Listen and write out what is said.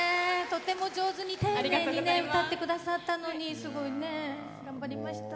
とても上手に丁寧に歌ってくださったのにすごい頑張りました。